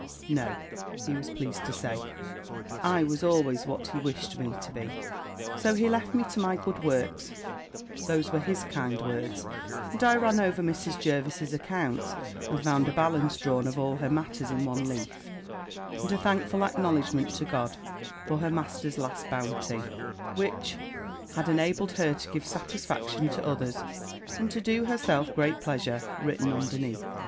"No," he was pleased to say, I was always what he wished me to be. So he left me to my good works (those were his kind words) and I ran over Mrs. Jervis's accounts, and found a balance drawn of all her matters in one leaf, and a thankful acknowledgment to God, for her master's last bounty, which had enabled her to give satisfaction to others, and to do herself great pleasure, written underneath.